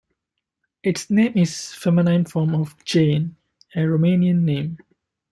Its name is a feminine form of "Gane", a Romanian name.